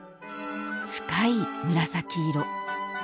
深い紫色。